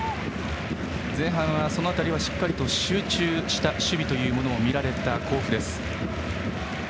前半はその辺りはしっかりと集中した守備が見られた甲府。